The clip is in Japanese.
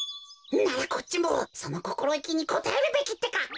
ならこっちもそのこころいきにこたえるべきってか！